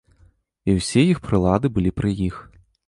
І ўсе іх прылады былі пры іх.